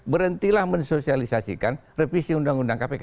berhentilah mensosialisasikan revisi undang undang kpk